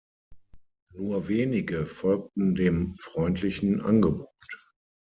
Nur wenige folgten dem freundlichen Angebot.